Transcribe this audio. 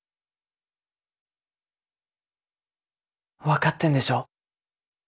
分かってんでしょ。